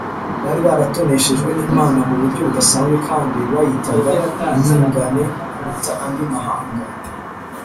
bari baratoneshejwe n’imana mu buryo budasanzwe, kandi biyitaga inyungane kuruta andi mahanga